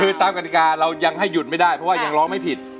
คือตามกฎิกาเรายังให้หยุดไม่ได้เพราะว่ายังร้องไม่ผิด